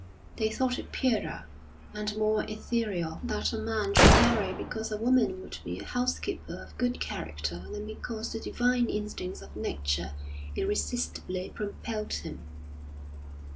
They thought it purer and more ethereal that a man should marry because a woman would be a housekeeper of good character than because the divine instincts of Nature irresistibly propelled him.